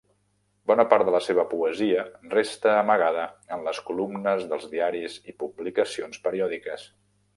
Bona part de la seva poesia resta amagada en les columnes dels diaris i publicacions periòdiques.